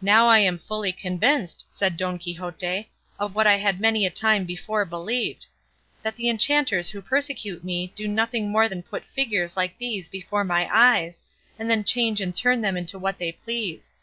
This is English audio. "Now am I fully convinced," said Don Quixote, "of what I had many a time before believed; that the enchanters who persecute me do nothing more than put figures like these before my eyes, and then change and turn them into what they please.